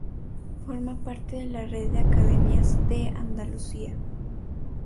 Forma parte de la red de Academias de Andalucía.